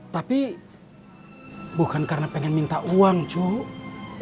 tapi bukan karena pengen minta uang cuma